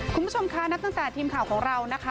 คุณผู้ชมคะนับตั้งแต่ทีมข่าวของเรานะคะ